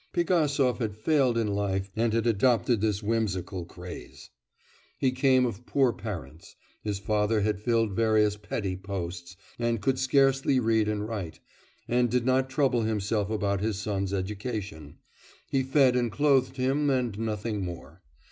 Pigasov had failed in life and had adopted this whimsical craze. He came of poor parents. His father had filled various petty posts, and could scarcely read and write, and did not trouble himself about his son's education; he fed and clothed him and nothing more.